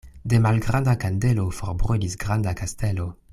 De malgranda kandelo forbrulis granda kastelo.